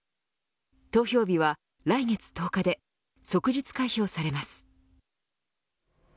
投票日は来月１０日で即日開票されます。